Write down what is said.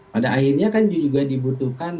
pada akhirnya kan juga dibutuhkan